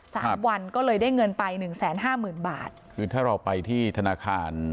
สามวันก็เลยได้เงินไปหนึ่งแสนห้าหมื่นบาทคือถ้าเราไปที่ธนาคาร